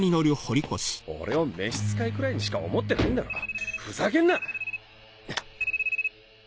俺を召し使いくらいにしか思ってないんだろふざけんな！